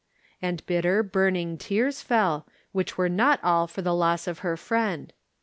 " And bitter, burning tears fell, which were not all for the loss of her friend.